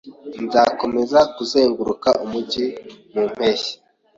Nzakomeza kuzenguruka umujyi mu mpeshyi.